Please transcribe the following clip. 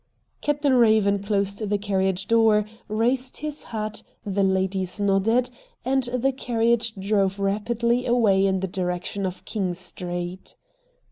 Captain Eaven closed the carriage door, raised his hat, the ladies nodded and the carriage drove rapidly away in the direction of King Street.